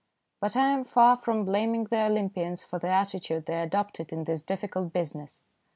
But I am far from blaming the Olympians for the attitude they adopted in this difficult busi ness.